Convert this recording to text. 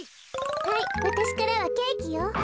はいわたしからはケーキよ。